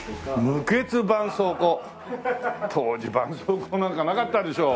「無血絆創膏」当時絆創膏なんかなかったでしょ。